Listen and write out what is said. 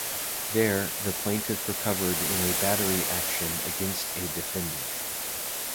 There, the plaintiff recovered in a battery action against a defendant.